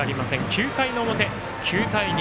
９回の表、９対２。